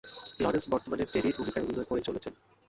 Lawrence বর্তমানে টেরির ভূমিকায় অভিনয় করে চলেছেন।